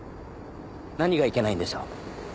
何がいけないんでしょう？